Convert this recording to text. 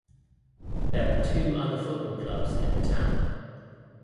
There are two other football clubs in the town.